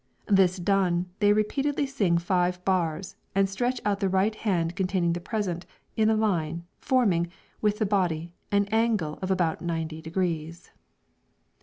This done, they repeatedly sing five bars, and stretch out the right hand containing the present, in a line, forming, with the body, an angle of about ninety degrees.